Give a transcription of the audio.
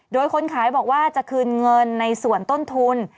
โดยคนขายบอกว่าจะคืนเงินในส่วนต้นทุน